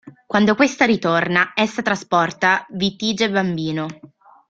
Quando questa ritorna, essa trasporta Vitige bambino.